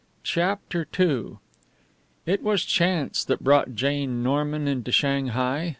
CHAPTER II It was chance that brought Jane Norman into Shanghai.